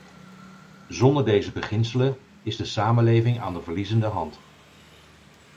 Zonder deze beginselen is de samenleving aan de verliezende hand.